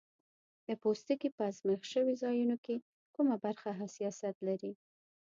د پوستکي په آزمېښت شوي ځایونو کې کومه برخه حساسیت لري؟